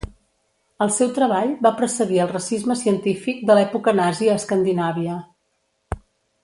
El seu treball va precedir el racisme científic de l'època nazi a Escandinàvia.